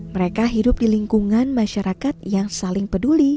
mereka hidup di lingkungan masyarakat yang saling peduli